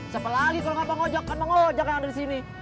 siapa lagi kalo ngga bang ojak kan bang ojak yang ada disini